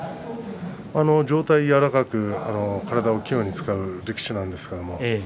上体柔らかく体を器用に使う力士なんです。